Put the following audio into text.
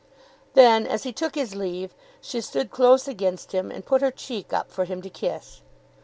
Then, as he took his leave, she stood close against him, and put her cheek up for him to kiss.